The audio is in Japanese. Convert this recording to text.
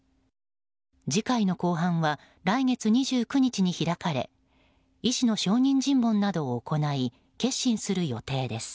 次回の公判は来月２９日に開かれ医師の証人尋問などを行い結審する予定です。